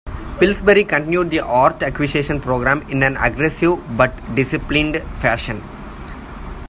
Pillsbury continued the art acquisition program in an aggressive but disciplined fashion.